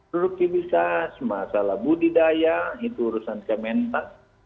produktivitas masalah budidaya itu urusan kementan